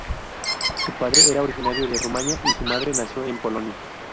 Su padre era originario de Rumania, y su madre nació en Polonia.